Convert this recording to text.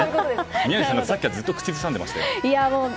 宮司さん、さっきからずっと口ずさんでいましたよ。